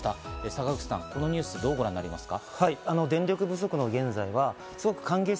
坂口さん、このニュース、どうご覧になりますか？